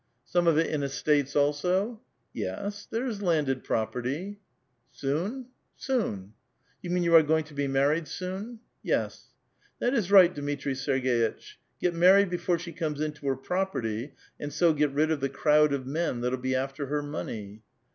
A VITAL QUESTION. 77 *' Some of it in estates also? "*" Yes ; there's landed property." *^Soon?" " Soon." *' You mean you are going to be married soon?" " Yes." "That is right, Dmitri Serg^itch; get married before she comes into hier property, and so get rid of the crowd of men that'll be after her money."